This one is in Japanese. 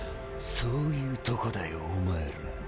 そういうとこだよお前ら。